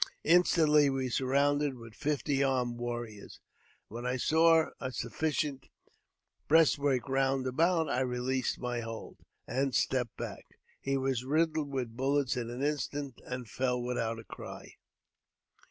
Instantly we were surrounded with fifty armed warriors ; and when I saw a sufficient breastwork round about, I released my hold JAMES P. BECKWOUBTH. 178 and stepped back. He was riddled with bullets in an instant, and fell without a cry.